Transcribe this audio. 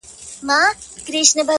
چي در رسېږم نه، نو څه وکړم ه ياره،